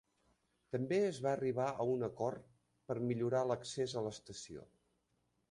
També es va arribar a un acord per millorar l'accés a l'estació.